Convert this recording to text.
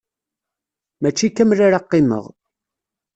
Mačči kamel ara qqimeɣ.